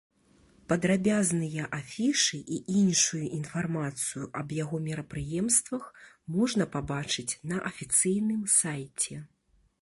Падрабязныя афішы і іншую інфармацыю аб яго мерапрыемствах можна пабачыць на афіцыйным сайце.